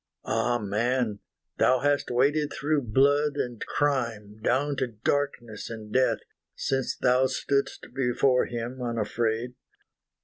Ah man! thou hast waded through blood And crime down to darkness and death, Since thou stood'st before Him unafraid.